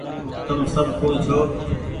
تم سب ڪوٚڻ ڇو